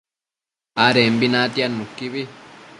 adembi natiad nuquibi